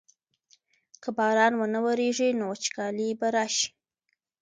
که باران ونه ورېږي نو وچکالي به راشي.